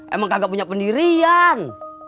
emang kagak punya pendirian